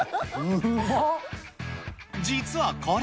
実はこれ。